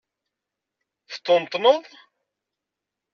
Teṭṭenṭneḍ?